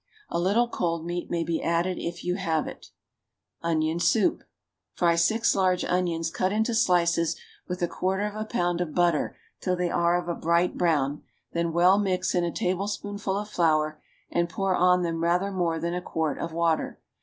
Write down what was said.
A little cold meat may be added if you have it. ONION SOUP. Fry six large onions cut into slices with a quarter of a pound of butter till they are of a bright brown, then well mix in a tablespoonful of flour, and pour on them rather more than a quart of water.